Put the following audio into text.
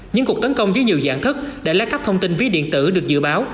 những cuộc tấn công với nhiều dạng thức đã lái cắp thông tin ví điện tử được dự báo